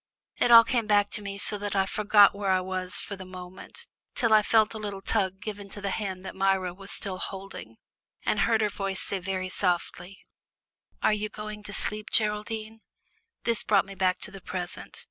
It all came back to me so that I forgot where I was for the moment, till I felt a little tug given to the hand that Myra was still holding, and heard her voice say very softly, "Are you going to sleep, Geraldine?" This brought me back to the present.